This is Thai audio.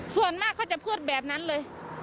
ส่วนมากเขาจะพูดแบบนั้นเลย